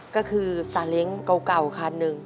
ก็คือซาเล้งเก่าคันหนึ่ง